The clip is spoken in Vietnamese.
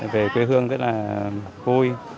về quê hương rất là vui